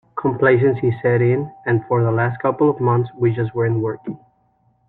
Complacency set in, and for the last couple of months we just weren't working.